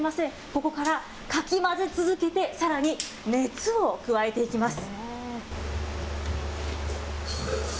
ここからかき混ぜ続けて、さらに熱を加えていきます。